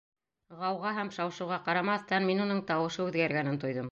Ғауға һәм шау-шыуға ҡарамаҫтан, мин уның тауышы үҙгәргәнен тойҙом.